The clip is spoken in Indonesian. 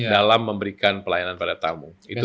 dalam memberikan pelayanan pada tamu